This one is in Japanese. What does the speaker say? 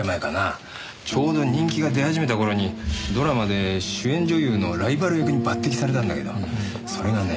ちょうど人気が出始めた頃にドラマで主演女優のライバル役に抜擢されたんだけどそれがね